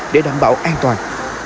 để đảm bảo an toàn